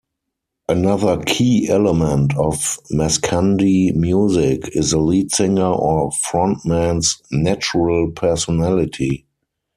Another key element of Maskandi music is the lead singer or frontman's natural personality.